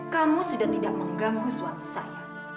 kamu sudah tidak mengganggu suami saya